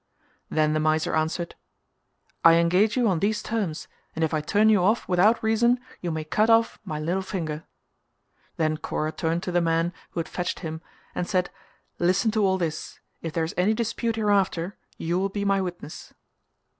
Then the miser answered "I engage you on these terms and if I turn you off without reason you may cut off my little finger." Then Kora turned to the man who had fetched him and said "Listen to all this: if there is any dispute hereafter you will be my witness."